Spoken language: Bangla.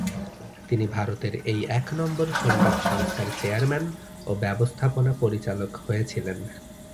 তিনি ভারতের এই এক নম্বর সংগীত সংস্থার চেয়ারম্যান ও ব্যবস্থাপনা পরিচালক হয়েছিলেন।